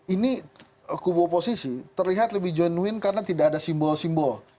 ini kubu oposisi terlihat lebih genuin karena tidak ada simbol simbol